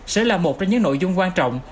sẽ là một trong những nội dung quan trọng